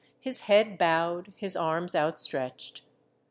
His head bowed, His arms outstretched.